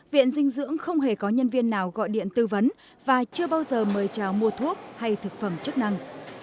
viện dinh dưỡng không hề có nhân viên nào gọi điện tư vấn và chưa bao giờ mời trào mua thuốc hay thực phẩm chức năng